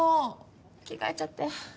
着替えちゃって。